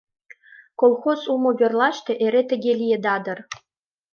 Колхоз улмо верлаште эре тыге лиеда дыр.